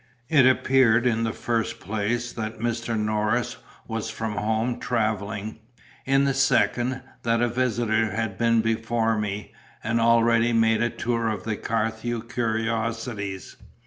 It appeared in the first place, that Mr. Norris was from home "travelling "; in the second, that a visitor had been before me and already made the tour of the Carthew curiosities.